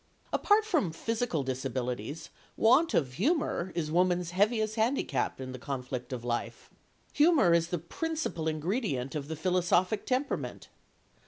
Apart from physical disabilities, want of humour is woman's heaviest handicap in the conflict of life. Humour is the principal ingredient of the philosophic temperament.